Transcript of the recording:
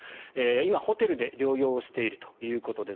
今、ホテルで療養しているということです。